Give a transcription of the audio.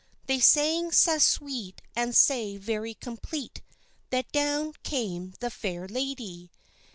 They sang sae sweet and sae very complete That down came the fair lady.